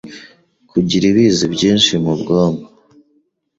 Kugira ibizi byinshi mu bwonko